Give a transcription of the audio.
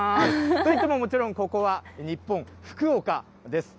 といっても、もちろんここは日本・福岡です。